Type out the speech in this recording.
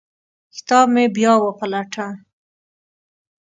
کتاب مې بیا وپلټه.